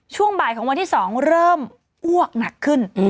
ช่วงบ่ายของวันที่๒เริ่มอ้วกหนักขึ้น